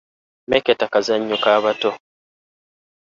Mmeketa kazannyo ka bato